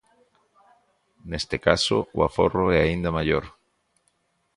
Neste caso, o aforro é aínda maior.